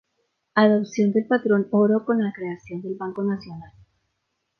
Adopción del patrón oro con la creación del Banco Nacional.